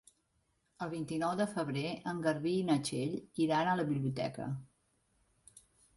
El vint-i-nou de febrer en Garbí i na Txell iran a la biblioteca.